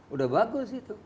udah bagus itu